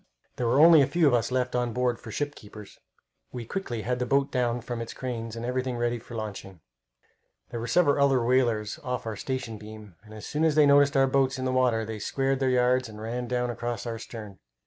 There were only a few of us left on board for ship keepers. We quickly had the boat down from its cranes, and everything ready for launching. There were several other whalers off our weather beam, and as soon as they noticed our boats in the water they squared their yards and ran down across our stern.